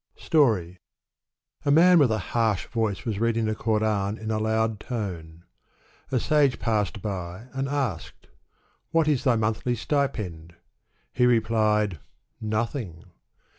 Story. A man with a harsh voice was reading the Koran in a loud tone. A sage passed by and asked, " What is thy monthly stipend?" He replied, "Nothing."